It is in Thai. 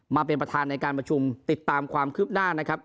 มาเป็นประธานในการประชุมติดตามความคืบหน้านะครับ